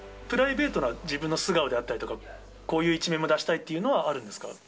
プライベートな自分の素顔であったりとか、こういう一面も出したいというのはあるんですか。